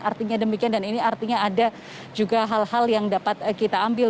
artinya demikian dan ini artinya ada juga hal hal yang dapat kita ambil